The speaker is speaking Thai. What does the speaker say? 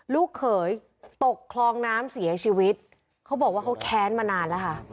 ลูกเขยตกคลองน้ำเสียชีวิตเขาบอกว่าเขาแค้นมานานแล้วค่ะ